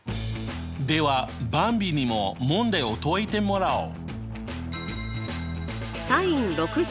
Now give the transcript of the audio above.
ではばんびにも問題を解いてもらおう！